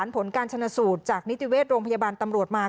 ผลการชนสูตรจากนิติเวชโรงพยาบาลตำรวจมา